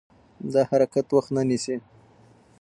دا حرکت وخت نه نیسي.